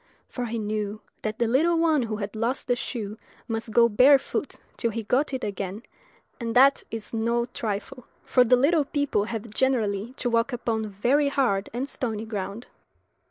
for he knew that the little one who had lost the shoe must go barefoot till he got it again; and that is no trifle, for the little people have generally to walk upon very hard and stony ground.